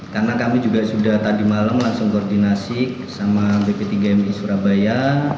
karena kami juga sudah tadi malam langsung koordinasi sama bp tiga mi surabaya